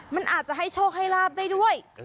มันอาจจะให้โชคให้ลาบได้ด้วย